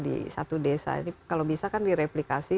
di satu desa ini kalau bisa kan direplikasi